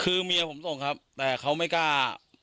คือเมียผมส่งครับแต่เขาไม่กล้า